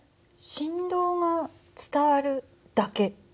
振動が伝わるだけ。